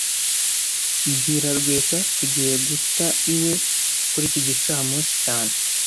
Bwira Rwesa tugiye guta iwe kuri iki gicamunsi cyane